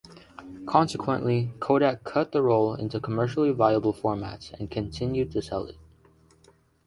Consequently, Kodak cut the roll into commercially viable formats and continued to sell it.